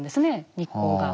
日光が。